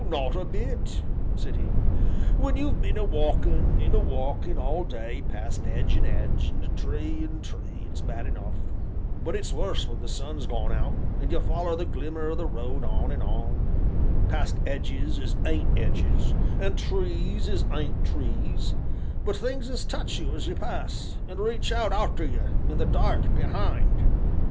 "Not a bit," said he; "when you've been a walkin' an' a walkin' all day past 'edge and 'edge, and tree and tree, it's bad enough, but it's worse when the sun's gone out, an' you foller the glimmer o' the road on and on, past 'edges as ain't 'edges, and trees as ain't trees, but things as touch you as you pass, and reach out arter you in the dark, behind.